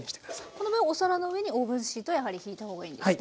この場合はお皿の上にオーブンシートをやはりひいた方がいいんですね？